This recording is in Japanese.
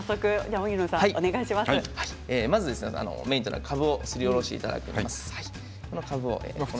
まずメインとなる、かぶをすりおろしていただきます。